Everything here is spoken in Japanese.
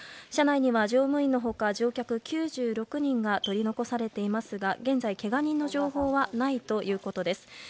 車内には乗務員の他乗客９６人が取り残されていますが現在、けが人の情報はないということです。